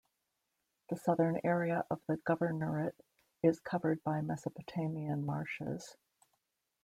The southern area of the governorate is covered by Mesopotamian Marshes.